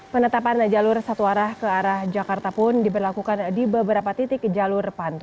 penetapan jalur satu arah ke arah jakarta pun diberlakukan di beberapa titik jalur pantu